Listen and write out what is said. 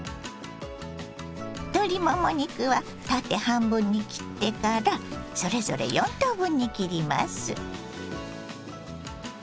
鶏もも肉は縦半分に切ってからそれぞれ４等分に切ります。